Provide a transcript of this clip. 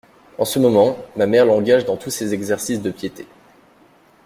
En ce moment, ma mère l'engage dans tous ses exercices de piété.